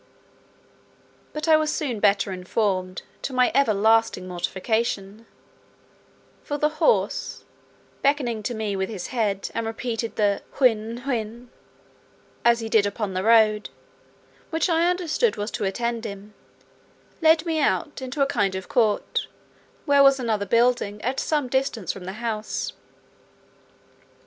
But I was soon better informed, to my everlasting mortification; for the horse, beckoning to me with his head, and repeating the hhuun, hhuun, as he did upon the road, which I understood was to attend him, led me out into a kind of court, where was another building, at some distance from the house.